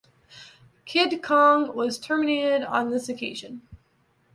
"Kid Kong" was terminated on this occasion.